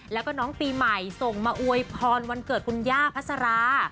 แล้วก็น้องปีใหม่ส่งมาอวยพรวันเกิดคุณย่าพัสรา